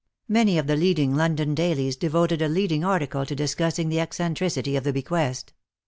Many of the leading London dailies devoted a leading article to discussing the eccentricity of the bequest.